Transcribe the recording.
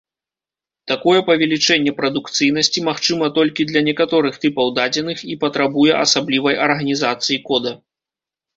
Такое павелічэнне прадукцыйнасці магчыма толькі для некаторых тыпаў дадзеных і патрабуе асаблівай арганізацыі кода.